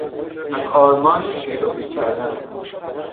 از آرمانی پیروی کردن